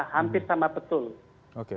hampir sama betul